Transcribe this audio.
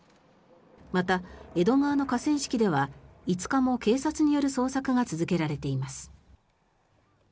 また、江戸川の河川敷では５日も警察による捜索が続けられています。